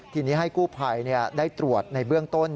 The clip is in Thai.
ทีนี้ให้กู้ภัยได้ตรวจในเบื้องต้น